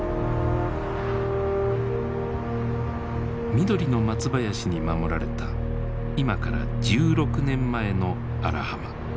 緑の松林に守られた今から１６年前の荒浜。